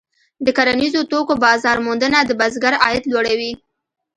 د کرنیزو توکو بازار موندنه د بزګر عاید لوړوي.